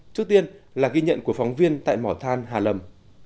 trước tiên là ghi nhận của phóng viên tại mỏ than hà lầm